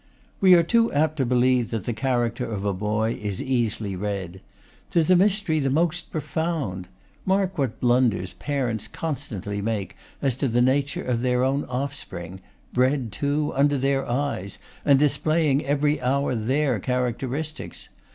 We are too apt to believe that the character of a boy is easily read. 'Tis a mystery the most profound. Mark what blunders parents constantly make as to the nature of their own offspring, bred, too, under their eyes, and displaying every hour their characteristics.